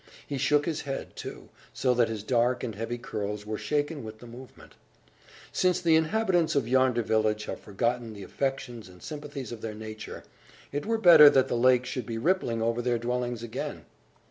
He shook his head, too, so that his dark and heavy curls were shaken with the movement. "Since the inhabitants of yonder village have forgotten the affections and sympathies of their nature, it were better that the lake should be rippling over their dwellings again!"